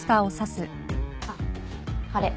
あっあれ。